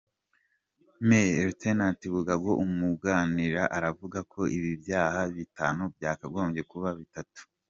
Me Laurent Bugabo umwunganira aravuga ko ibi byaha bitanu byagombye kuba bitatu.